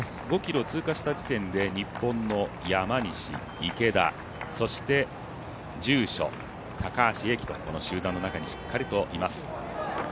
５ｋｍ通過した時点で日本の山西、池田、そして、住所高橋英輝とこの集団の中にいます。